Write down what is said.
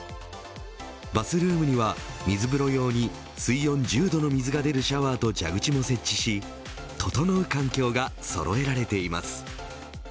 バスルームには水風呂用に水温４０度の水が出るシャワーと蛇口も設置しととのう環境がそろえられています。